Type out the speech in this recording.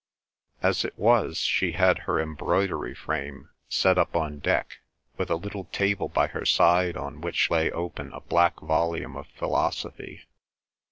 As it was, she had her embroidery frame set up on deck, with a little table by her side on which lay open a black volume of philosophy.